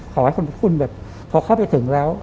ขอให้คุณแบบพอเข้าไปถึงแล้ว